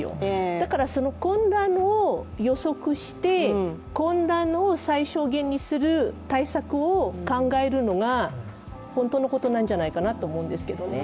だから、その混乱を予測して、混乱を最小限にする対策を考えるのが本当のことなんじゃないかなと思うんですけどね。